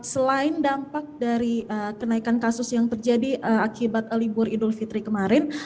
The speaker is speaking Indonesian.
selain dampak dari kenaikan kasus yang terjadi akibat libur idul fitri kemarin